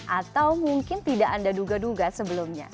atau mungkin tidak anda duga duga sebelumnya